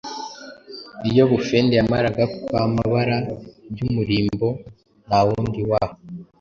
iyo Bufende yamaraga kwamabara by'umurimbo ntawundi wa